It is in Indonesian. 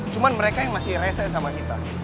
cuma mereka yang masih rese sama kita